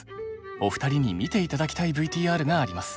お二人に見て頂きたいＶＴＲがあります。